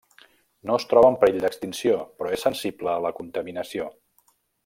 No es troba en perill d'extinció, però és sensible a la contaminació.